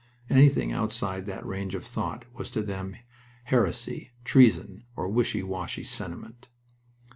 Anything outside that range of thought was to them heresy, treason, or wishy washy sentiment.